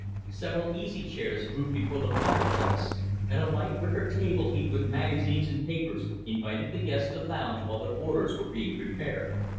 Several easy chairs grouped before the fireplace, and a light wicker table heaped with magazines and papers invited the guests to lounge while their orders were being prepared.